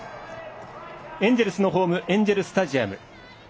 エンジェルスのホームエンジェルスタジアム。